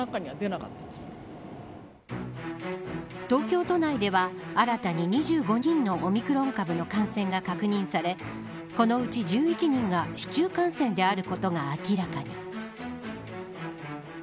東京都内では、新たに２５人のオミクロン株の感染が確認されこのうち１１人が市中感染であることが明らかに。